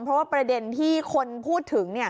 เพราะว่าประเด็นที่คนพูดถึง